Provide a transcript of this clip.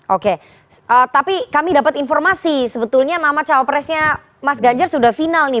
oke tapi kami dapat informasi sebetulnya nama cawapresnya mas ganjar sudah final nih